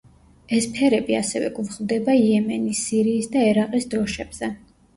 ეს ფერები ასევე გვხვდება იემენის, სირიის და ერაყის დროშებზე.